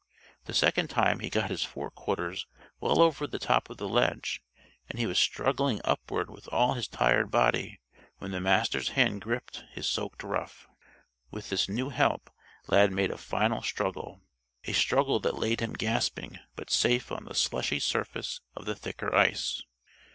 The second time he got his fore quarters well over the top of the ledge, and he was struggling upward with all his tired body when the Master's hand gripped his soaked ruff. With this new help, Lad made a final struggle a struggle that laid him gasping but safe on the slushy surface of the thicker ice.